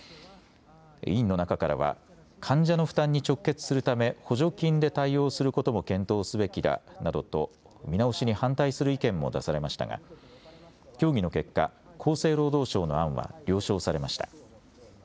委員の中からは患者の負担に直結するため補助金で対応することも検討すべきだなどと見直しに反対する意見も出されましたが協議の結果、厚生労働省の案は了承されました。